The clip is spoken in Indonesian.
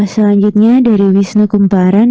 selanjutnya dari wisnu kumparan